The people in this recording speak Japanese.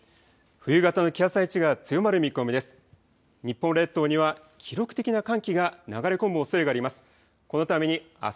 冬型の気圧配置が強まる見込みです。